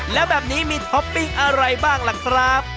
แล้วแบบนี้มีท็อปปิ้งอะไรบ้างล่ะครับ